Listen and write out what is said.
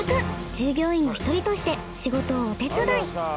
従業員の１人として仕事をお手伝い。